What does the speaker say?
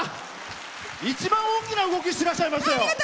一番大きな動きしてらっしゃいましたよ。